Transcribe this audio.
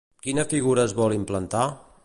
Quina figura es vol implantar?